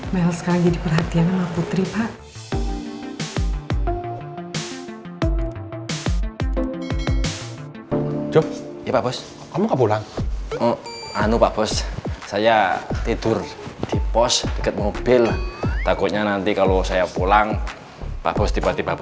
mel sekarang jadi perhatian sama putri pak